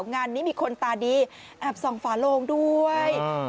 งานนี้มีคนตาดีแอบส่องฝาโลงด้วย